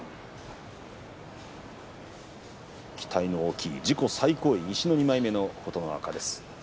期待の大きい、自己最高位西の２枚目の琴ノ若です。